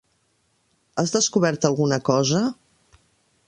Has descobert alguna cosa?